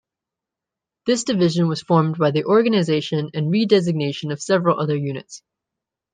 This division was formed by the organization and redesignation of several other units.